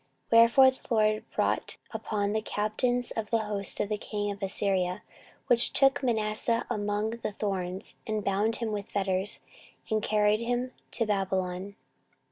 14:033:011 Wherefore the LORD brought upon them the captains of the host of the king of Assyria, which took Manasseh among the thorns, and bound him with fetters, and carried him to Babylon.